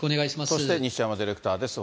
そして西山ディレクターです。